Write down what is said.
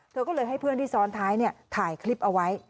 เธอก็เลยให้เพื่อนที่ซ้อนท้ายถ่ายคลิปเอาไว้